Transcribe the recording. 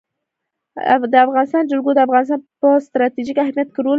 د افغانستان جلکو د افغانستان په ستراتیژیک اهمیت کې رول لري.